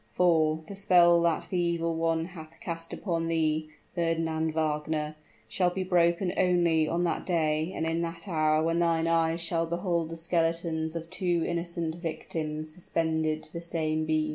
For, the spell that the evil one hath cast upon thee, Fernand Wagner, shall be broken only on that day and in that hour when thine eyes shall behold the skeletons of two innocent victims suspended to the same beam!"